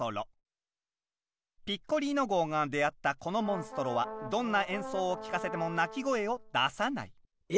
ピッコリーノ号が出会ったこのモンストロはどんな演奏を聴かせても鳴き声を出さない！え！